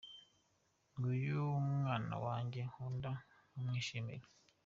Nguyu Umwana wanjye nkunda nkamwishimira